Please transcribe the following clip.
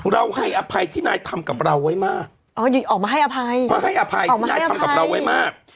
เราให้อภัยที่นายทำกับเราไว้มากอ๋อออกมาให้อภัยมาให้อภัยที่นายทำกับเราไว้มาก